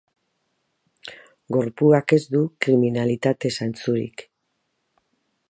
Gorpuak ez du kriminalitate zantzurik.